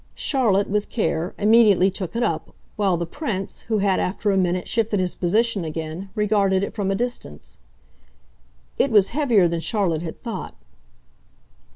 Charlotte, with care, immediately took it up, while the Prince, who had after a minute shifted his position again, regarded it from a distance. It was heavier than Charlotte had thought.